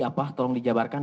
apa tolong dijabarkan